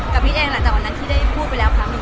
กับพี่เองหลังจากวันนั้นที่ได้พูดไปแล้วครับ